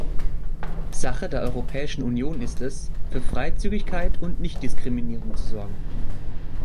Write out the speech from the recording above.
Sache der Europäischen Union ist es, für Freizügigkeit und Nichtdiskriminierung zu sorgen.